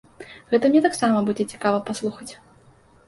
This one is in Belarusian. Гэта мне таксама будзе цікава паслухаць.